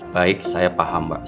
baik saya paham mbak